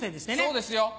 そうですよ。